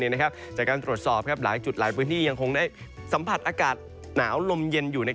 จากการตรวจสอบหลายจุดหลายพื้นที่ยังคงได้สัมผัสอากาศหนาวลมเย็นอยู่